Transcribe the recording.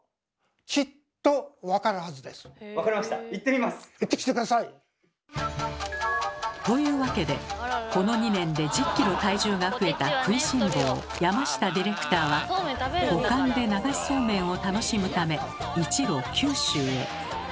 例えばですね行ってきて下さい！というわけでこの２年で１０ｋｇ体重が増えた食いしん坊山下ディレクターは五感で流しそうめんを楽しむため一路九州へ。